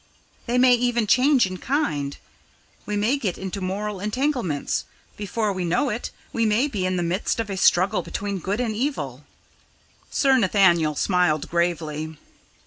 They may even change in kind. We may get into moral entanglements; before we know it, we may be in the midst of a struggle between good and evil." Sir Nathaniel smiled gravely.